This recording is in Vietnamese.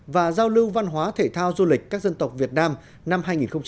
và giao lưu văn hóa thể thao du lịch các dân tộc việt nam năm hai nghìn hai mươi